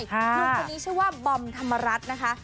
บนท์วันนี้ชื่อว่าบอมถำรัฐนะคะ